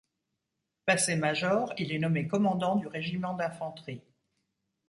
Passé major, il est nommé commandant du régiment d'infanterie.